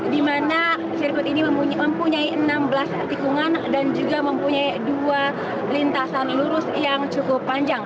di mana sirkuit ini mempunyai enam belas tikungan dan juga mempunyai dua lintasan lurus yang cukup panjang